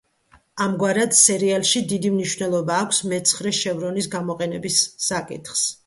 ამგვარად, სერიალში დიდი მნიშვნელობა აქვს მეცხრე შევრონის გამოყენების საკითხს.